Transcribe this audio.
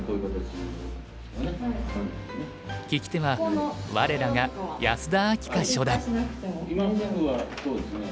聞き手は我らが安田明夏初段。